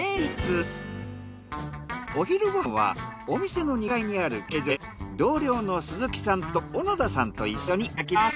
お昼ご飯はお店の２階にある休憩所で同僚の鈴木さんと小野田さんと一緒にいただきます。